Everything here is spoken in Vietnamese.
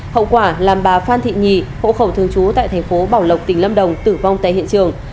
hậu quả làm bà phan thị nhì hộ khẩu thường chú tại tp bảo lộc tỉnh lâm đồng tử vong tại hiện trường